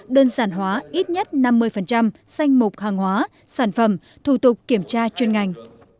đơn sản hóa ít nhất năm mươi xanh mục hàng hóa sản phẩm thủ tục kiểm tra chuyên ngành